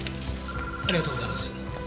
ありがとうございます。